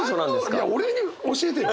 いや俺に教えてよ！